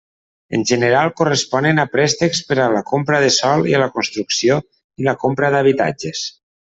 En general corresponen a préstecs per a la compra de sòl i la construcció i la compra d'habitatges.